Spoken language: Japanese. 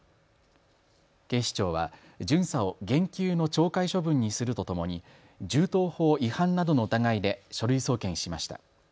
警視庁は巡査を減給の懲戒処分にするとともに銃刀法違反などの疑いで書類送検しました。